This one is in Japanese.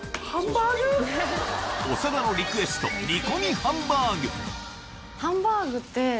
長田のリクエスト煮込みハンバーグ